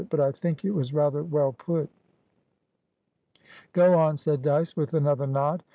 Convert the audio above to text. But I think it was rather well put." "Go on," said Dyce, with another nod.